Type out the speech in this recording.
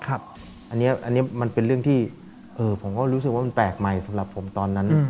อันนี้มันเป็นเรื่องที่ผมก็รู้สึกว่ามันแปลกใหม่สำหรับผมตอนนั้น